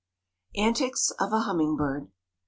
ANTICS OF A HUMMINGBIRD.